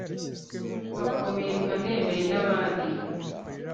bakomeye nka nemeye n’abandi.